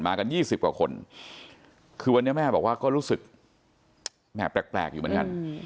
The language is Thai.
กัน๒๐กว่าคนคือวันนี้แม่บอกว่าก็รู้สึกแม่แปลกอยู่เหมือนกัน